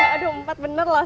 aduh empat bener loh